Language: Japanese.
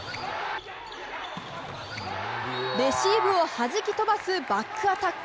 レシーブをはじき飛ばすバックアタック！